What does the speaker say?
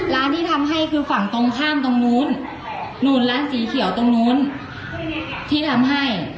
ร้านที่ทำให้คือฝั่งตรงข้ามตรงนู้นนู่นร้านสีเขียวตรงนู้นที่ทำให้